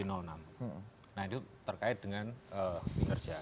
nah itu terkait dengan kinerja